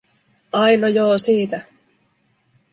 "Ai, no joo siitä.